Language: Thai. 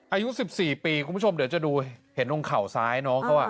อายุ๑๔ปีคุณผู้ชมเดี๋ยวจะดูเห็นตรงเข่าซ้ายน้องเขา